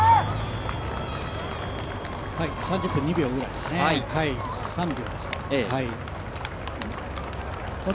３０分２秒ぐらいですかね、３秒ですか。